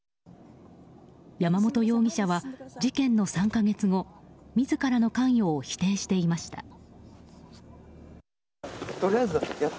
山本容疑者は事件の３か月後自らの関与を否定していました。